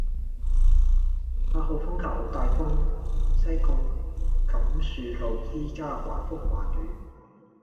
八號風球好大風，西貢甘澍路依家橫風橫雨